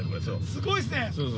◆すごいっすね。